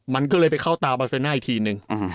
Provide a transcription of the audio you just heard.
มันก็เลยไปเข้าตาบาเซอร์น่าอีกทีนึง